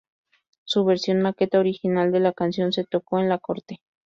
Su versión maqueta original de la canción se tocó en la corte.